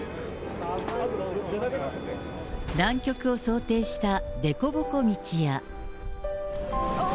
南極を想定した凸凹道や。